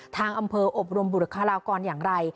ทางอำเภออบรมบุคลากรอย่างไร